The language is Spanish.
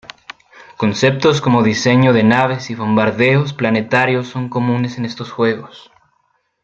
Conceptos como diseño de naves y bombardeos planetarios son comunes en estos juegos.